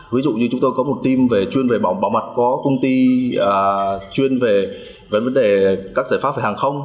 ví dụ như chúng tôi có một team chuyên về bảo mặt có công ty chuyên về các giải pháp về hàng không